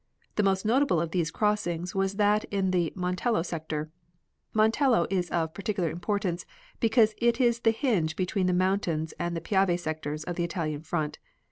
The most notable of these crossings was that in the Montello sector. Montello is of particular importance, because it is the hinge between the mountains and the Piave sectors of the Italian front.